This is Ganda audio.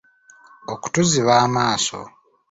Okutuziba amaaso.